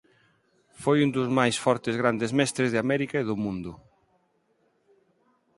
Foi un dos máis fortes grandes mestres de América e do mundo.